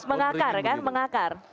mengakar kan mengakar